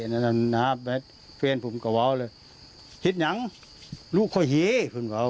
นะฮะแม่เพื่อนผมก็ว้าวเลยฮิตหยังลูกค่อยเฮ้พึ่งว้าว